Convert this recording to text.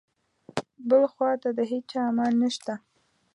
بل خواته د هیچا امان نشته.